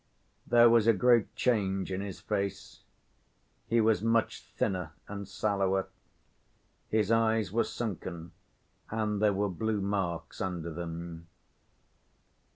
There was a great change in his face; he was much thinner and sallower. His eyes were sunken and there were blue marks under them.